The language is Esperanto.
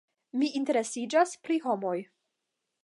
Mi interesiĝas pri homoj.